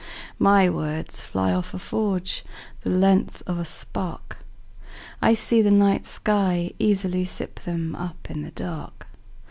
My words fly off a forgeThe length of a spark;I see the night sky easily sip themUp in the dark.